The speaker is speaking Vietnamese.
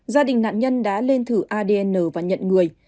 gia đình nạn nhân đã lên thử adn và nhận người